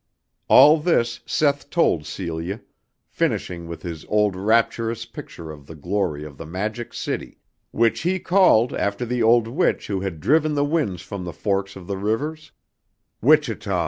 All this Seth told Celia, finishing with his old rapturous picture of the glory of the Magic City, which he called after the old witch who had driven the winds from the forks of the rivers, Wichita.